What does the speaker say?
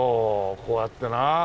こうやってな。